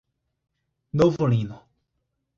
Novo Lino